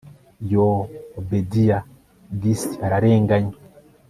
yoooh obedia disi ararenganye